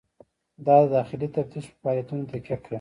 دا د داخلي تفتیش په فعالیتونو تکیه کوي.